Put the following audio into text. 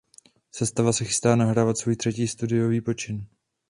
Sestava se chystá nahrávat svůj třetí studiový počin.